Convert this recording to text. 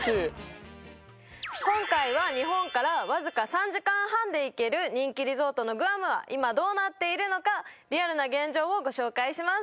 今回は日本からわずか３時間半で行ける人気リゾートのグアムは今どうなっているのかリアルな現状をご紹介します